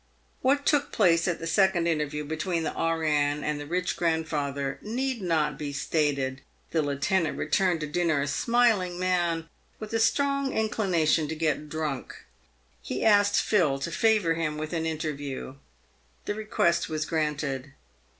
"What took place at the second interview between the E.N. and the rich grandfather need not be stated. The lieutenant returned to dinner a smiling man, with a strong inclination to get drunk. He asked Phil to favour him with an interview. The request was granted.